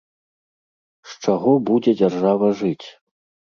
З чаго будзе дзяржава жыць?